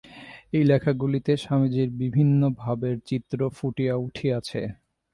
এই লেখাগুলিতে স্বামীজীর বিভিন্ন ভাবের চিত্র ফুটিয়া উঠিয়াছে।